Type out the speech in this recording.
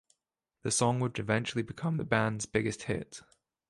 The song would eventually become the band's biggest hit.